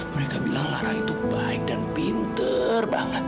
mereka bilang lara itu baik dan pinter banget